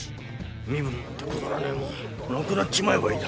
身分なんてくだらねえもんなくなっちまえばいいだ。